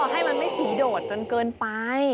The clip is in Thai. ให้มันไม่สีโดดจนเกินไป